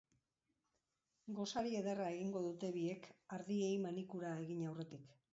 Gosari ederra egingo dute biek, ardiei manikura egin aurretik.